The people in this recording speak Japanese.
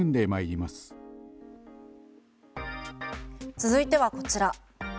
続いてはこちら。